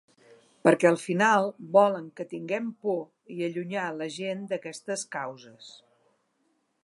Perquè al final volen que tinguem por i allunyar la gent d’aquestes causes.